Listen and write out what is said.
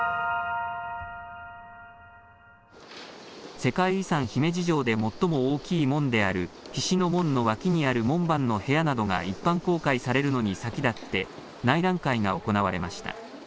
世界遺産、姫路城で最も大きい門である菱の門の脇にある門番の部屋などが一般公開されるのに先立って内覧会が行われました。